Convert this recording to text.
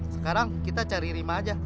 sekarang kita cari rumah aja